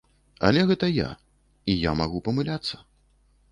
Але гэта я, і я магу памыляцца.